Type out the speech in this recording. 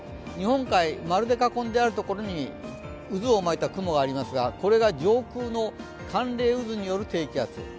日本海、丸で囲んであるところに、渦を巻いた雲がありますがこれが上空の寒冷渦による低気圧。